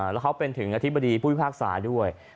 แล้วเขาเป็นถึงอธิบดีผู้พิพากษาด้วย